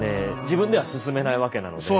自分では進めないわけなので。